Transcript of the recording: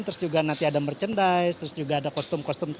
terus juga nanti ada merchandise terus juga ada kostum kostum